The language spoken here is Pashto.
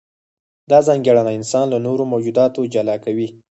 دا ځانګړنه انسان له نورو موجوداتو جلا کوي.